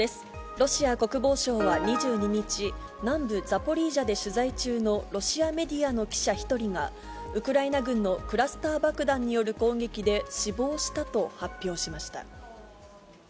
ロシア国防省は２２日、南部ザポリージャで取材中のロシアメディアの記者１人が、ウクライナ軍のクラスター爆弾による攻撃で死亡したと発表しました。